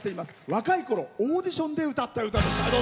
若いころオーディションで歌った歌です。